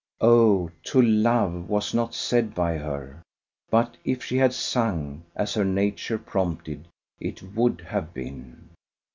O to love! was not said by her, but if she had sung, as her nature prompted, it would have been.